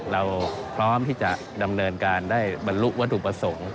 เราพร้อมที่จะดำเนินการได้บรรลุวัตถุประสงค์